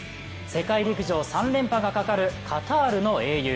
世界陸上３連覇がかかるカタールの英雄。